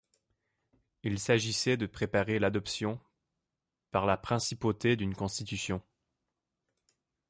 Il s'agissait de préparer l'adoption par la principauté d'une constitution.